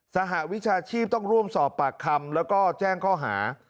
สหวิชาชีพต้องร่วมสอบปากคำแล้วก็แจ้งข้อหา